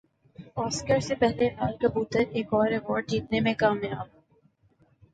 Oscar سے پہلے لال کبوتر ایک اور ایوارڈ جیتنے میں کامیاب